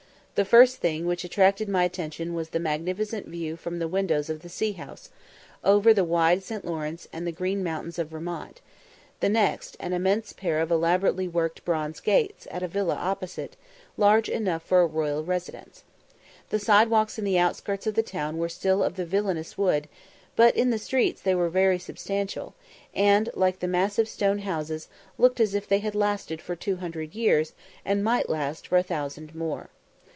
The first thing which attracted my attention was the magnificent view from the windows of the See house, over the wide St. Lawrence and the green mountains of Vermont; the next, an immense pair of elaborately worked bronze gates, at a villa opposite, large enough for a royal residence. The side walks in the outskirts of the town were still of the villanous wood, but in the streets they were very substantial, and, like the massive stone houses, look as if they had lasted for two hundred years, and might last for a thousand more.